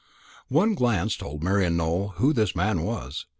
One glance told Marian Nowell who this man was.